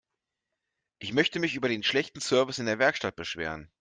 Ich möchte mich über den schlechten Service in der Werkstatt beschweren.